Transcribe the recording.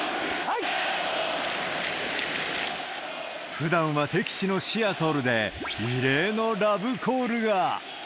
ふだんは敵地のシアトルで、異例のラブコールが。